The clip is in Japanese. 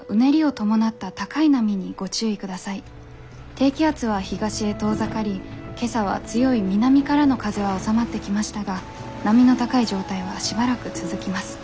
低気圧は東へ遠ざかり今朝は強い南からの風は収まってきましたが波の高い状態はしばらく続きます。